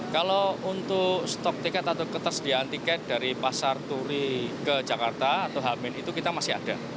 kalau untuk stok tiket atau ketersediaan tiket dari pasar turi ke jakarta atau hamin itu kita masih ada